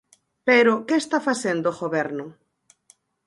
Pero ¿que está facendo o Goberno?